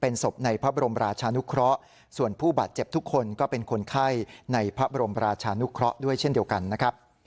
ในพระบรมราชานุเคราะห์ด้วยเช่นเดียวกันนะครับ